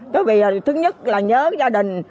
thứ nhất là nhớ là đồng viên là đồng viên